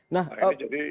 nah ini jadi